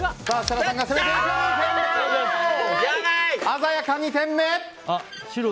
鮮やか、２点目！